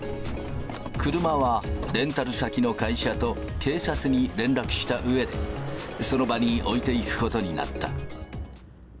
車はレンタル先の会社と警察に連絡したうえで、その場に置いていくことになった。